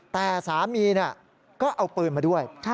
แต่สามีก็เอาปืนมาด้วย